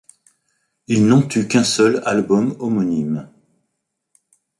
Ils n'ont eu qu'un seul album homonyme.